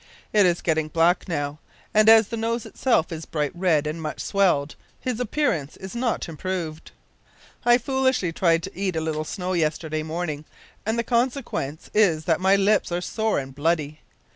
It is getting black now, and as the nose itself is bright red and much swelled, his appearance is not improved. I foolishly tried to eat a little snow yesterday morning, and the consequence is that my lips are sore and bloody.